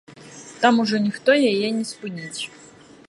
Там ужо ніхто яе не спыніць.